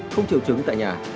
không triệu chứng tại nhà